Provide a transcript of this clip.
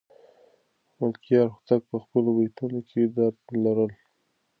ملکیار هوتک په خپلو بیتونو کې درد لاره.